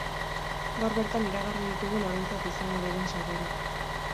Gaur bertan iragarri ditugu norentzat izango diren sarrerak.